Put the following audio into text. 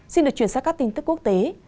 xin được chuyển sang các tin tức quốc tế